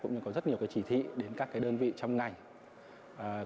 cũng như có rất nhiều chỉ thị đến các đơn vị trong ngành